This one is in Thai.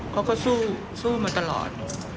เขาก็สู้มาตลอด